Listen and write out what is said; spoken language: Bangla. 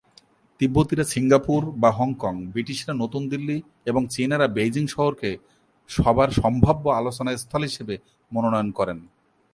তিব্বতীরা সিঙ্গাপুর বা হংকং, ব্রিটিশরা নতুন দিল্লি এবং চীনারা বেইজিং শহরকে সভার সম্ভাব্য আলোচনা স্থল হিসেবে মনোনয়ন করেন।